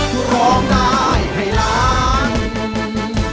คุณหนุย